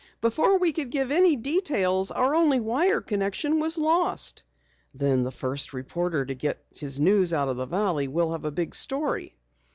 Before we could give any details, our only wire connection was lost." "Then the first reporter to get his news out of the valley will have a big story?"